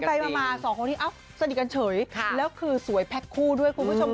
ไปมาสองคนนี้สนิทกันเฉยแล้วคือสวยแพ็คคู่ด้วยคุณผู้ชม